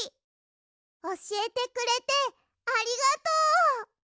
おしえてくれてありがとう！